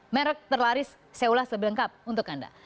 merek terlaris seolah sebelah lengkap untuk anda